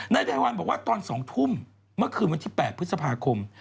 ไทยวันบอกว่าตอน๒ทุ่มเมื่อคืนวันที่๘พฤษภาคม